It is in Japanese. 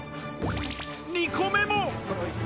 ２個目も。